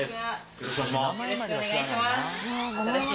よろしくお願いします